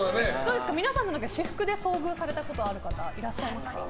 皆さんは私服で遭遇された方いらっしゃいますか？